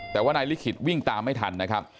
แต่ว่านายลิขิตวิ่งตามไม่ทันนะครับ